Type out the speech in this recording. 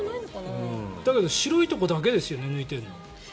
白いとこだけですよね抜いているの。